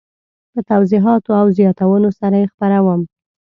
په توضیحاتو او زیاتونو سره یې خپروم.